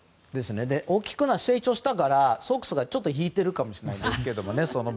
大きく成長したからソックスがちょっと引いてるかもしれないんですけどね。